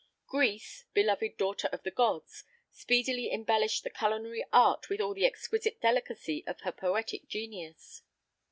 Greece "beloved daughter of the gods" speedily embellished the culinary art with all the exquisite delicacy of her poetic genius.